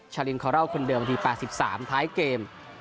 ชาลินคอรอลคนเดิมนาที๘๓ท้ายเกม